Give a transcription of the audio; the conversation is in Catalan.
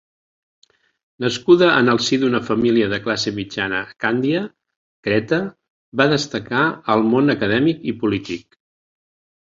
Nascuda en el si d'una família de classe mitjana a Càndia, Creta, va destacar al món acadèmic i polític.